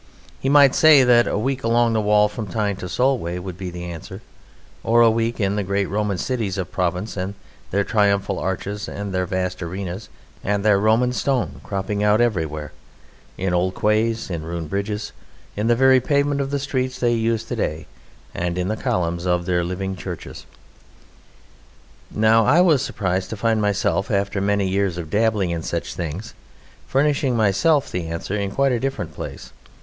He might say that a week along the wall from Tyne to Solway would be the answer; or a week in the great Roman cities of Provence with their triumphal arches and their vast arenas and their Roman stone cropping out everywhere: in old quays, in ruined bridges, in the very pavement of the streets they use to day, and in the columns of their living churches. Now I was surprised to find myself after many years of dabbling in such things, furnishing myself the answer in quite a different place.